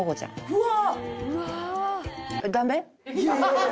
うわ！